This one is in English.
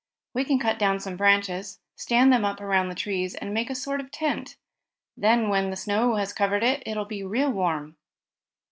We can cut down some branches, stand them up around the trees and make a sort of tent. Then, when the snow has covered it, we'll be real warm."